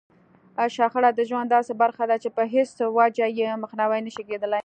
شخړه د ژوند داسې برخه ده چې په هېڅ وجه يې مخنيوی نشي کېدلای.